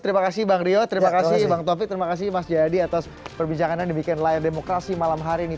terima kasih bang rio terima kasih bang taufik terima kasih mas jayadi atas perbincangannya demikian layar demokrasi malam hari ini